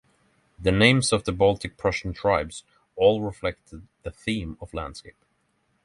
The names of the Baltic Prussian tribes all reflected the theme of landscape.